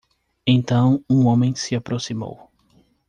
Então um homem se aproximou.